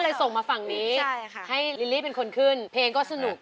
ส่งมาฝั่งนี้ให้ลิลลี่เป็นคนขึ้นเพลงก็สนุก